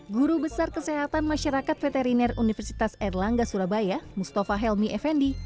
guru besar kesehatan masyarakat veteriner universitas erlangga surabaya mustafa helmi effendi